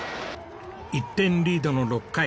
１点リードの６回。